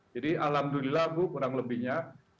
jadi alhamdulillah bu kurang lebihnya